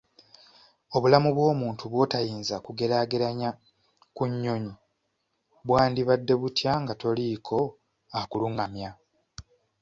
Obulamu bw'omuntu bw'otayinza kugeraageranya ku nnyonyi bwandibadde butya nga toliiko akulungamya?